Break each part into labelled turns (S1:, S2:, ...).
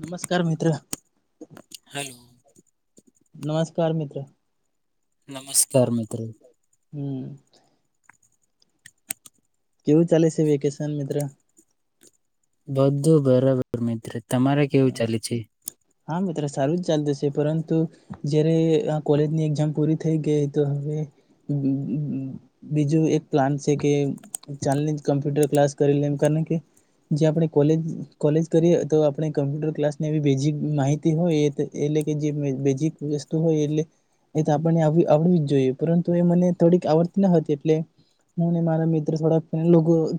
S1: નમસ્કાર મિત્ર.
S2: [inaudible]
S1: નમસ્કાર મિત્ર.
S2: નમસ્કાર મિત્રો.
S1: હમ. કેવું ચાલે છે વેકેશન મિત્ર.
S2: બધું બરાબર મિત્ર. તમારે કેવું
S1: હમ
S2: ચાલે છે.
S1: હા મિત્ર સારું જ ચાલતુંશે પરંતુ જયારે આ કોલેજની એક્ઝામ પૂરી થઈ ગઈ તો હવે બીજું એક પ્લાન છે કે ચાલ ની કમ્પ્યુટર ક્લાસ કરી લેમ કારણ કે જે આપણે કોલેજ કોલેજ કરીએ તો ક મ્પ્યુટર ક્લાસ ની એ બેઝિક માહિતી હોય એટલે કે જે બેઝિક વસ્તુ હોય એ એ આપને આવડવી જ જોઈએ પરંતુ એ મને થોડીક આવડતી ન હતી એટલે હું મારા મિત્ર થોડા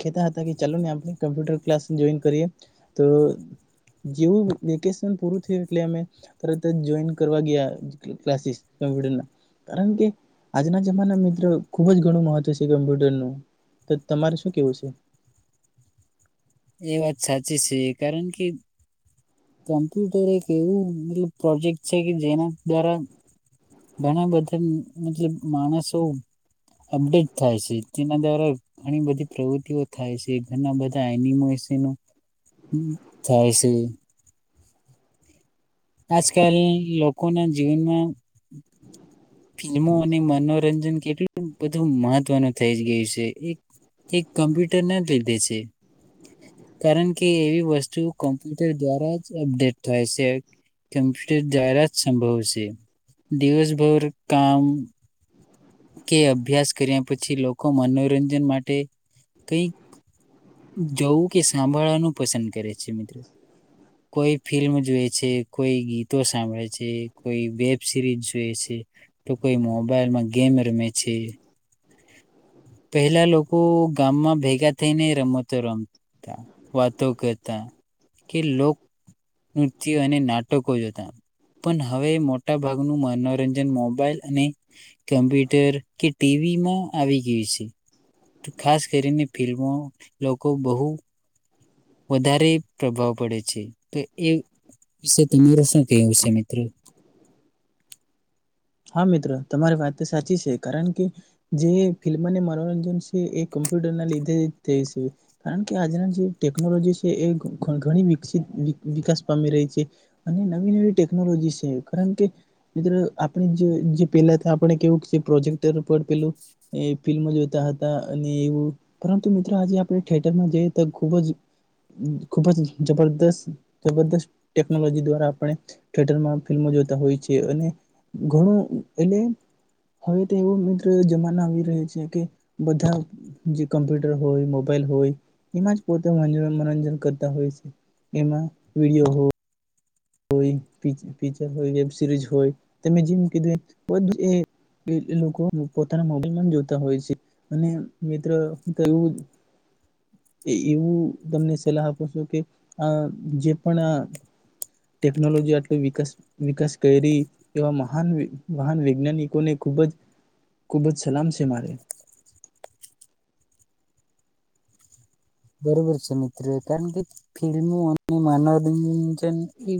S1: કતા હતા કે ચાલો ને આપ કમ્પ્યુટર ક્લાસ જોઈન કરીએ તો જેવું વેકેશન પૂરું થયું એટલે અમે તરત જ જોઈન કરવા ગયા ક્લાસીસ કમ્પ્યુટર કારણ કે આજના જમાના મિત્રો ખુબ જ ઘણું મહત્વ છે કમ્પ્યુટરનું તમારે શું કેવું છે
S2: એ વાત સાચી છે કારણ કે કોમ્પ્યુટર એક એવું મતલ પ્રોજેક્ટ છે કે જેના દ્વારા ઘણા બધા મતલબ માણસો અપડેટ થાય છે જેના દ્વારા ઘણી બધી પ્રવૃતિઓ થાય છે ઘણા બધા એનિમસનો થાય છે આજકાલ લોકોના જીવનમાં ફિલ્મો અને મનો મનોરંજન કેટલું બધું મહત્વનું થઈ ગયું છે એક કમ્પ્યુટર ના જ લીધે છે કારણ કે એવી વસ્તુ કોમ્પ્યુટર દ્વારા જ અપડેટ થાય છે કમ્પ્યુટર દ્વારા જ સંભવ દિવસભર કામ કે અભ્યાસ કર્યા પછી લોકો મનોરંજન માટે કઈક જવું કે સાંભળવાનું પસંદ કરે છે કોઈ ફિલ્મ જો છે કોઈ ગીતો સાંભળે છે કોઈ વેબ સિરીઝ જોય છે તો કોઈ મોબાઈલમાં ગેમ રમે છે પહેલા લોકો ગામમાં ભેગા થઈને રમતો રમતા વાતો કરતા કે લોકો નૃત્ય અને નાટકો જતા પણ હવે મોટા ભાગનું મનોરંજન મોબાઈલ અને કમ્પ્યુટર કે ટીવીમાં આવી ગયું છે ખાસ કરીને ફિલ્મો લોકો બહુ વધારે પ્રભાવ પડે છે તો એ વિશે તમાર શું કવું છે મિત્ર
S1: હા મિત્ર તમારી વાત તો સાચી છે કારણ કે જે ફિલ્મને મનોરંજન છે એ કમ્પ્યુટરના લીધે જ થાય છે કારણ કે આજના જે ટેકનોલોજી છે એ ઘણી વિકસિત વિકાસ પામી રહી છે અને નવી નવી ટેકનોલોજી છે કારણ કે મિત્ર પેલા આપણે કેવું પ્રોજેક્ટર પર પેલું ફિલ્મો જોતા હતા અને એવું પરંતુ મિત્ર આજે આપણે થયેટરમાં જઈએ તો ખુબ જ ખુબ જ જબરસ્ત જબરદસ્ત ટેકનોલોજી દ્વારા આપણે થેટરમાં ફિલ્મો જોતા હોય છે અને ઘણું એટલે હવે તો એવો મિત્ર જમાના આવી રહ્યો છે કે બધા જે કમ્પ્યુટર હોય મોબાઈલ હોય એમાં જ પોતે મનોરંજન કરતા હોય છે એમાં વિડીયો હોય હોય વેબ સરીઝ હોય તમે જેમ કીધું એ લોકો પોતાના મોબાઈલમાં જોતા હોય છે અને મિત્ર તો એ એવું તમને સલાહ આપું છું કે આ જે પણ આ ટેકનોલોજી આટલો વિકાસ વિકાસ કરી એવા મહાન મહાન વૈજ્ઞાનિકોને ખૂબ જ ખૂબ જ સલામ છે મારે
S2: બરોબર છે મિત્ર કારણ કે ફિલ્મો અને મનોરંજન એ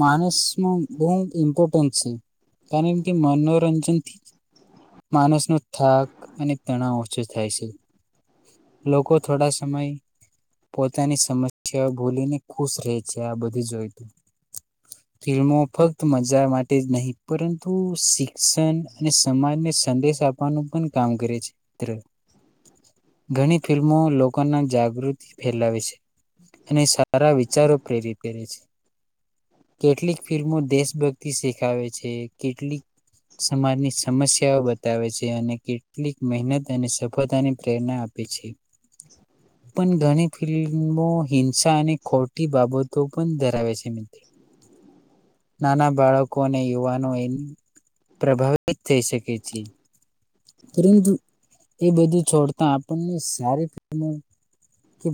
S2: માણસમાં બહુ ઇમ્પોર્ટન્ટ છે કારણ કે મનોરંજનથી માણસનો થાક અને તણાવ ઓછો થાય છે લોકો થોડા સમય પોતાની સમસ્યા ભૂલીને ખુશ રહે છે આ બધું જોયું ફિલ્મો ફક્ત મજા માટે જ નહીં પરંતુ શિક્ષણ અને સમાજને સંદેશ આપવાનું પણ કામ કરે છે મિત્ર ઘણી ફિલ્મો લો લોકો મા જાગૃતિ ફેલાવે છે અને સારા વિચારો પ્રેરિત કરે છે કેટલીક ફિલ્મો દેશભક્તિ શેખાવે છે કેટલીક સમાજની સમસ્યાઓ બતાવે છે અને કેટલીક મહેનત અને સફળતાની પ્રેરણા આપે છે પણ ઘણી ફિલ્મો હિંસા અને ખોટી બાબતો પણ ધરાવે છે નાના બાળકો અને યુવાનો એ પ્રભાવિત થઈ શકે છે પરંતુ એ બધું છોડતા આપણને સારી કે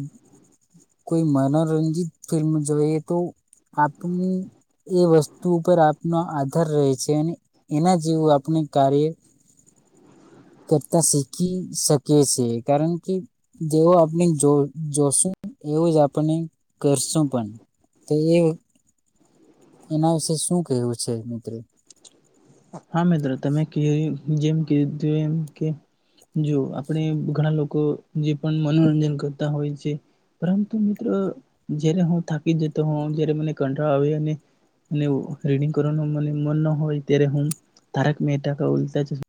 S2: કોઈ મનોરંજિત ફિલ્મ જોઈએ તો આપની એ વસ્તુ ઉપર આપનો આધાર રહે છે એના જેવું આપણે કાર્ય કરતા શીખી શકીએ છે કારણ કે જેવો આપણે જો જોશું એવું જ આપને કરશું પણ તો એ એના વિશે શું કેવું છે મિત્રો.
S1: હા મિત્રો તમે જેમ કું એમ કે જો આપણે ઘણા લોકો જે પણ મનોરંજન કરતા હોય છે પરંતુ મિત્રો જ્યારે હું થાકી જતો હો જ મને કંટળ આવે રીડંગ કરવાનું મ મન ન હોય. તરે હુંમ તારક મેઠાકા ઉલ્ટા જ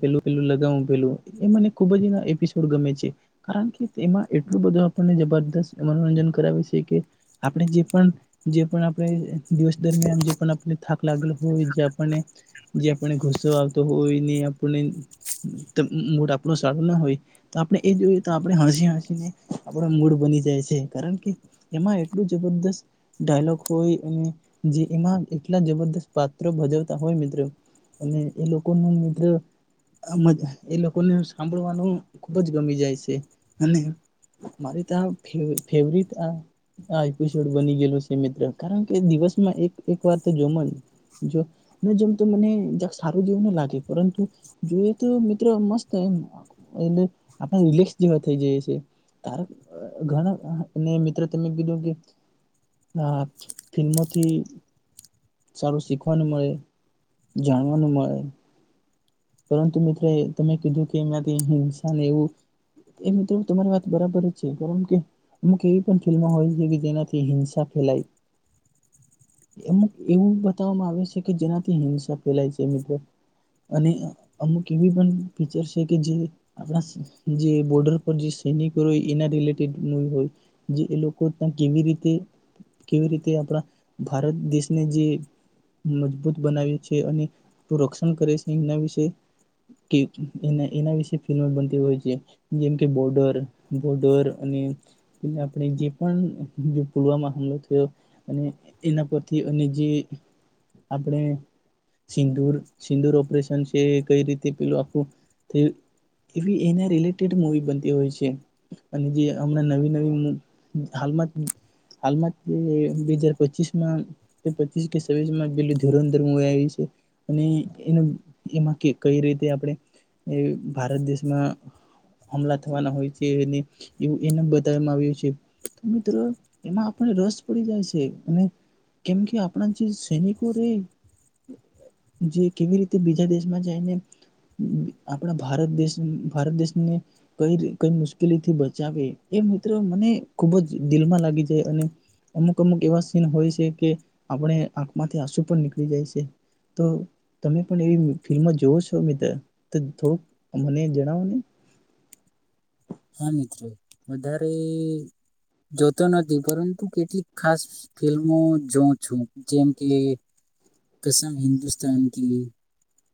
S1: પેલું પેલું લગાવું પેલું એ મને ખુબ જ એના એપિસોડ ગમે છે કારણ કે તેમાં એટલું બધું આપણને જબરદસ્ત મનોરંજન કરાવે છે કે આપણે જે પણ જે પણ આપણે દિવસ દરમિયાન જે પણ આપણે થા લાગેલ હોય જે આપને જે આપને ગુસો આવતો હોય. આપણો સારો ના હોય આપણે એ જોયએ તો આપણે હસી હસીને આપો મૂડ બની જાય છે કારણ કે એમાં એટલું જબરદસ્ત ડાયલોગ હોય અને જે એમાં એટલા જબરસ્ત પાત્રો ભજવતા હોય મિત્રો અને એ લોકો એ લોકોને સાંભળવાનું ખુબ જ ગમી જાય છે અને મારે તો આ ફવટિસડ બની ગયલોું છે મિત્ર કારણ કે દિવસમાં એક એક વાર તો જોમ જો જેમ તો મને સારું જેવું ન લાગે પરંતુ જોઈએ તો મિત્રો મસ્ત આપણે રિલેક્સ જેવા થઈ જાય છે તાર ઘણા અને મિત્ર તમે કીધું કે ફિલ્મોથી સારું શીખવાનું મળે જાણવાનું મળે. તમે કીધું કે એનાથી હિંસા ને એવું એ મિત્રો તમારી વાત બરાબર જ છે કારણ કે અમુક એવી પણ ફિલ્મો હોય છે કે જેનાથી હિંસા ફેલાય અમુક એવું બતાવવામાં આવે છે કે જેનાથી હિંસા ફેલાય છે મિત્રો અને અમુક એવી પણ ફીચર છે કે જે આપણા જે બોર્ડર પર જે સૈનિકો હોય એના રિલેટેડવી હોય જે એ લોકો ત્યા કેવી રીતે કેવી રીતે આપણા ભારત દેશને જે મજબૂત બનાવે છે અને રક્ષણ કરે છે એના વિશે કે એના એના વિશે ફિલ્મ બનતી હોય છે જેમ કે બોર્ડર બોર્ડર અને એ આપણે જે પણ પુલવામા હમલો થયો અને એના પરથી અને જે આપણે સિંદુર સિંદુર ઓપરેશન ેલું આખું થયું એવી એના રિલેટેડ મુવી બનતી હોય છે અને જે હમણાં નવી નવી હાલમાં હાલમાં હજ પચીસમાં પ કેમાં પેું ધુરરવી આવી છે અને એ એઈ રીતે આપણે ભારત દેશમાં હમલા થવાના હોય છે એવું એને બતાવવામાં આવ્યું છે તો મિત્રો એમાં આપણે રસ પડી જાય છે અને કેમ કે આપણા જે સૈનિકો ર જે કેવી રીતે બ દેશને આપણા ભારત દેશ ભારત દેશને કઈ કઈ મુશ્કેલીથી બચાવે એ મિત્રો મને ખુબ જ દિલમાં લાગી જાય અને અમુક અમુક એવા સીન હોય છે કે આપણે આંખમાંથી આંસુ પણ નીકળી જાય છે તો તમે પણ એવી ફિલ્મમાં જોવો છો થોડુંક મને જણાવો ને
S2: હા મિત્રો વધારે જોતો નથી પરંતુ કેટલીક ખાસ ફિલ્મો જોઉં છું જેમ કે કસમ હિન્દુસ્તાાન ક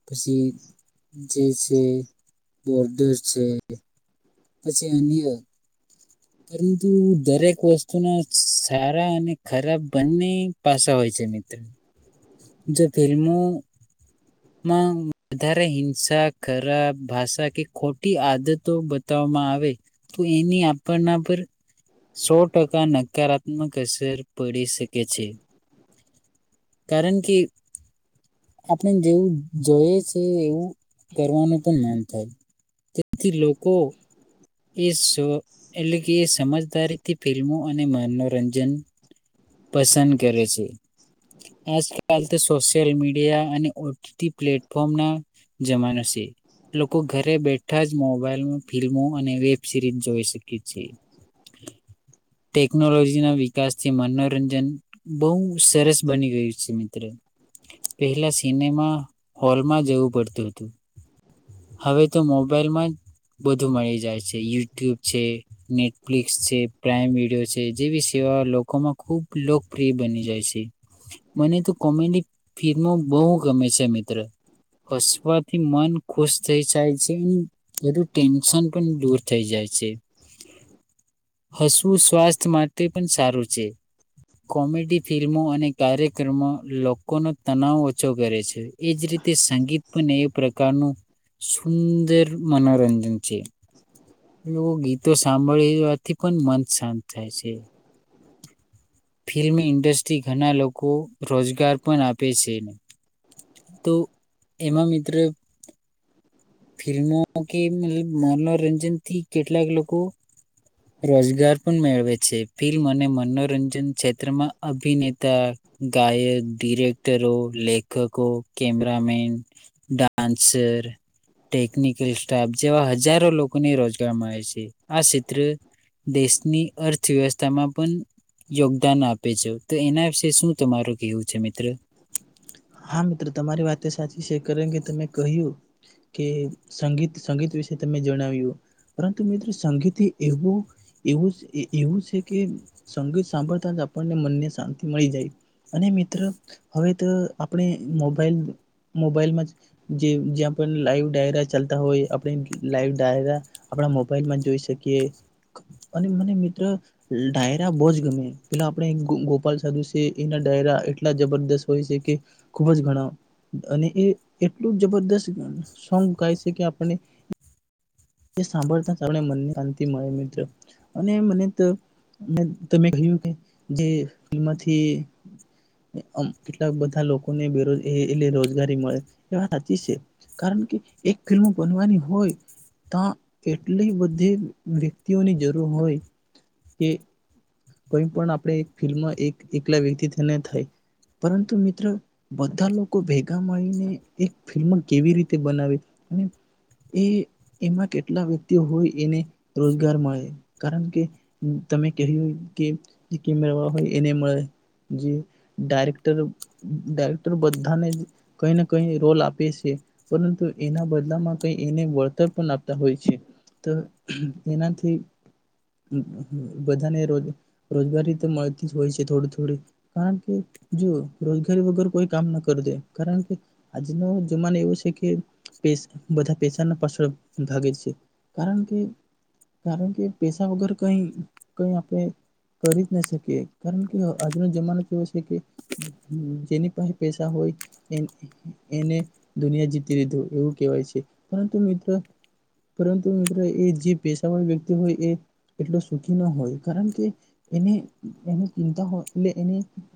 S2: પછી છે બોડર છે પછી અન્ય પરંતુ દરેક વસ્તુના સારા અને ખરાબ બંને પાસા હોય છે મિત્ર. જો ફિલ્મોમાં વધારે હિંસા ખરાબ ભાષા કે ખોટી આદતો બતાવવામાં આવે તો એની આપના પર સો ટકા નકાર. મ કસર પડી શકે છે કારણ કે આપણે જેવું જોઈએ છે એવું કરવાનું પણ મન થાય કે પછી લોકો કે સો એટલે કે એ સમજદારીથી ફિલ્મો અને મનોરંજન પસંદ કરે છે આજકાલ તો સોશિયલ મીડિયા અને ઓ ટી ટી પ્લેટફોર્મ ના જમાનો છે લોકો ઘરે બેઠા જ મોબાઈલ ફિલ્મો અને વેબ સિરીઝ જોઈ શકે છે. ટેકનોલોજી ના વિકાસથી મનો મનોરંજન બહુ સરસ બની ગયું છે. મિત્રો પહેલા સિનેમા હોલમાં જવું પડતું હતું હવે તો મોબાઈલમાં જ બધું મળી જાય છે યુટ્યુબ છે, નેટફ્લિક્સ છે, પ્રાઈમ વિડીયો છે જેવી સેવા લોકોમાં ખૂબ લોકપ્રિય બની જાય છે. મને તો કોમેડી ફિલ્મો બહુ ગમે છે મિત્ર હસ વા થી મન. ખુશ થઈ [unintelligible] છે. બધું ટેન્શન પણ દૂર થઈ જાય છે હશવું સ્વાસ્થ્ય માટે પણ સારું છે. કોમેડી ફિલ્મો અને કાર્યક્રમો લોકોનો તનાવ ઓ છો કરે છે એજ રીતે સંગીત પણ એ પ્રકારનું સુંદર મનોરંજન. છે લોકગીત તો સાંભળવાથી પણ મન શાંત થાય છે. ફિલ્મ ઇન્ડસ્ટ્રી ઘણા લોકો રોજગાર પણ આપે છે અણુ તો એમાં મિત્ર ફિલ્મો કે મ મનોરંજન થી કેટલાક લોકો રોજગાર પણ મેળવે છે. ફિલ્મ અને મનોરંજન ત્ર અભિનેતા, ગાયક, ડિરેક્ટરો, લેખકો, કેમેરામેન આન્સર ટેકનિકલ થાપ જેવા હજારો લોકોને રોજગાર મળે છે. આ ક્ષેત્ર દેશની અર્થવ્યવસ્થામાં પણ યોગ્ય દાન આપે છે તો એના વિશે શું તમારું કેવું છે મિત્ર.
S1: હા મિત્ર તમારી વાત સાચી છે કર કે તમે કહ્યું કે સંગીત સંગીત વિશે તમે જણાવ્યું પરંતુ મિત્ર સંગીત એવું એવું એવું છે કે સંગીત સાંભળતા જ આપણને મનને શાંતિ મળી જાય અને મિત્ર હવે. આપણે મોબાઈલ મોબાઈલમાં જ જે જ્યાં પણ લાઈવ ડાયરા ચાલતા હોય આપણે લાઈવ ડાયરા આપણા મોબાઈલમાં જોઈ શકીએ અને મને મિત્ર ડાયરા બહુ જ ગમે પેલા આપણે ગોપાલ સાધુ છે એના ડાયરા એટલા જબરદસ્ત. છે ખુબ જ ગણાવો અને એ એટલું જબરદસ્ત સોંગ ગાય છે કે આપને સાભળતા આપ મને શાંતિ મળે મિત્ર અને મને ત કહ્યું કે જેથી કેટલાક બધા લોકોને બેરોજ એ રોજગારી મળે એ વા સાચી છે કારણ કે એક ફિલ્મ બનવાની હોય તો એટલી બધી વ્યક્તિઓની જરૂર હોય કે આપણે ફિલ્મ એક એકલા વ્યક્તિને થાય પરંતુ મિત્રો બધા લોકો ભેગા મળીને એક ફિલ્મ કેવી રીતે બનાવે અને એ એમાં કેટલા વ્યક્તિઓ હોય એને રોજગાર મળે કારણ કે તમે કહ્યું. એને મળે જે ડાયરેક્ટર ડાયરેક્ટર બધાને કઈને કઈ રોલ આપે છે પરંતુ એના બદલામાં ક એને વળતર પણ આપતા હોય છે એનાથી બધાને ર રોજગારી મળતી જ હોય છે થોડી થોડી કારણ કે જુઓ રોજગારી વગર કોઈ કામ ના કરી દે કારણ કે આજનો જમાનો એવો છે કે બધા પેસાના પાછળ ભાગે છે કારણ કે કારણ કે પેસા વગર કઈ કઈ આપણે કરી જ શ કારણ કે આજનો જમાનો કેવો છે કે જેની પાસે પસા હોય એને દુનિયા જીતી લીધી એવું કહેવાય છે પરંતુ મિત્ર પરંતુ મિત્ર એ જે પેસા વાળી વ્યક્તિ હોય એ એટલો સુખી ન હોય કારણ કે એને એની ચિંતા હોય એટલે એને.